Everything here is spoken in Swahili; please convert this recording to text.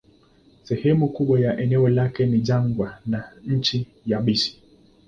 Sehemu kubwa ya eneo lake ni jangwa na nchi yabisi.